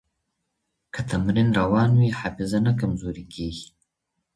که تمرین روان وي، حافظه نه کمزورې کېږي.